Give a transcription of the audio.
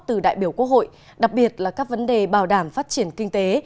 từ đại biểu quốc hội đặc biệt là các vấn đề bảo đảm phát triển kinh tế